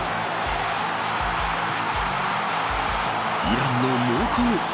イランの猛攻。